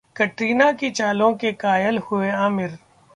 कटरीना की चालों के कायल हुए आमिर